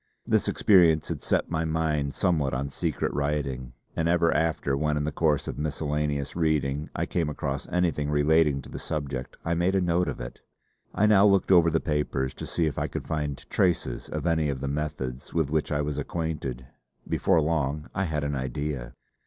This experience had set my mind somewhat on secret writing, and ever after when in the course of miscellaneous reading I came across anything relating to the subject I made a note of it. I now looked over the papers to see if I could find traces of any of the methods with which I was acquainted; before long I had an idea.